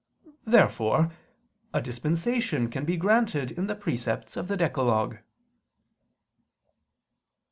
Therefore a dispensation can be granted in the precepts of the decalogue.